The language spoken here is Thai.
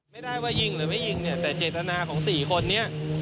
ไม่ได้ว่ายิงหรือไม่ยิงแต่เจตนาของ๔คนนี้